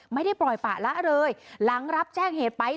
ไม่ได้ปล่อยปะละเลยหลังรับแจ้งเหตุไป